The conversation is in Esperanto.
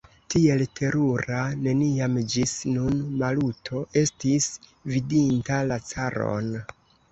Tiel terura neniam ĝis nun Maluto estis vidinta la caron.